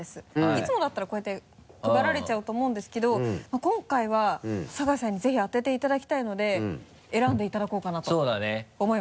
いつもだったらこうやって配られちゃうと思うんですけど今回は酒井さんにぜひ当てていただきたいので選んでいただこうかなと思います。